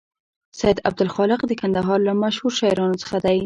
سید عبدالخالق د کندهار له مشهور شاعرانو څخه دی.